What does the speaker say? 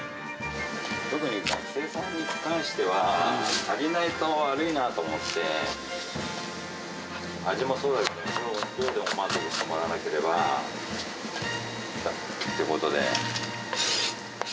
特に学生さんに関しては、足りないと悪いなと思って、味もそうだけど、量でも満足してもらわなければってことで。